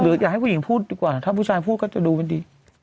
อยากให้ผู้หญิงพูดดีกว่าถ้าผู้ชายพูดก็จะดูมันดี